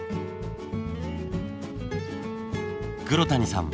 黒谷さん